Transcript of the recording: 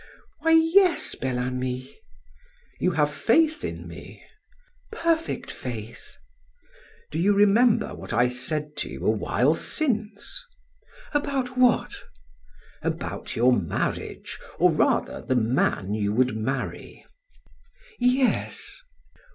"Why, yes, Bel Ami." "You have faith in me?" "Perfect faith." "Do you remember what I said to you a while since?" "About what?" "About your marriage, or rather the man you would marry." "Yes."